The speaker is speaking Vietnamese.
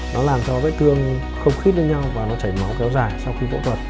nó làm cho vết thương không khít lên nhau và nó chảy máu kéo dài